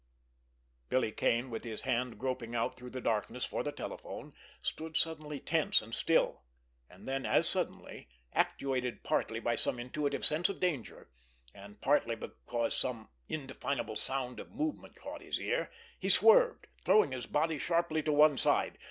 Billy Kane with his hand groping out through the darkness for the telephone, stood suddenly tense and still; and then, as suddenly, actuated partly by some intuitive sense of danger, and partly because some indefinable sound of movement caught his ear, he swerved, throwing his body sharply to one side.